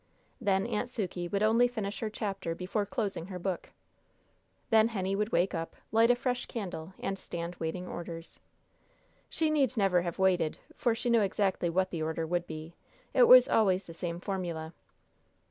Then Aunt Sukey would only finish her chapter before closing her book. Then Henny would wake up, light a fresh candle, and stand waiting orders. She need never have waited, for she knew exactly what the order would be. It was always the same formula.